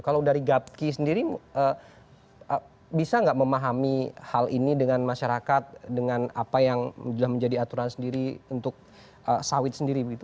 kalau dari gapki sendiri bisa nggak memahami hal ini dengan masyarakat dengan apa yang sudah menjadi aturan sendiri untuk sawit sendiri begitu